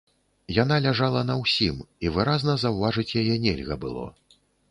Яна ляжала на ўсім, і выразна заўважыць яе нельга было.